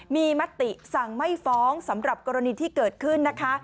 มีมติสั่งไม่ฟ้องสำหรับกรณีที่เกิดขึ้นนะคะ